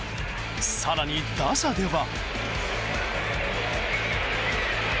更に、打者では。